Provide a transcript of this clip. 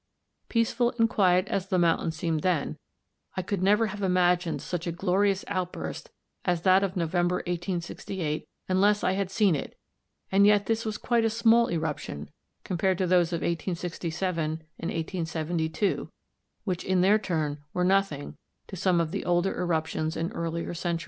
Peaceful and quiet as the mountain seemed then, I could never have imagined such a glorious outburst as that of November 1868 unless I had seen it, and yet this was quite a small eruption compared to those of 1867 and 1872, which in their turn were nothing to some of the older eruptions in earlier centuries.